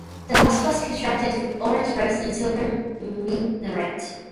The mosque was constructed with orange bricks and silver minarets.